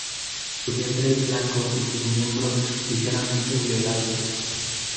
Su vientre es blanco y sus miembros ligeramente violáceos.